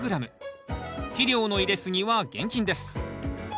肥料の入れすぎは厳禁です。